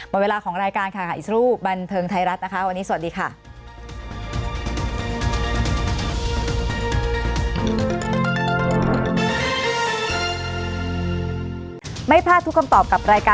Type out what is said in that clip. มันเวลาของรายการค่ะอิสรุบันเทิงไทยรัฐนะคะ